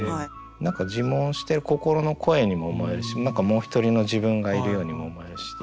何か自問してる心の声にも思えるし何かもう一人の自分がいるようにも思えるし。